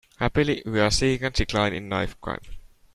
Happily, we are seeing a decline in knife crime.